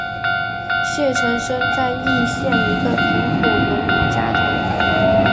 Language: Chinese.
谢臣生在易县一个贫苦农民家庭。